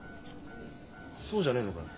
そうじゃねえのかよ？